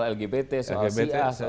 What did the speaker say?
lgbt soal siasat